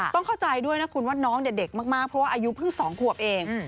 ต้องเข้าใจด้วยนะคุณว่าน้องเนี่ยเด็กมากเพราะว่าอายุเพิ่ง๒ขวบเอง